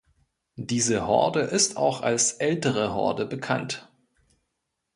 Diese Horde ist auch als "Ältere Horde" bekannt.